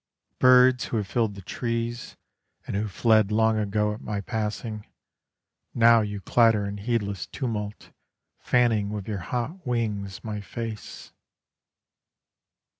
Birds who have filled the trees, And who fled long ago at my passing, Now you clatter in heedless tumult, Fanning with your hot wings my face.